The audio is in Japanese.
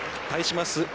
対します